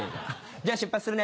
じゃあ出発するね。